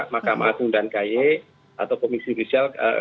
mahkamah agung dan kaye atau komisi judisial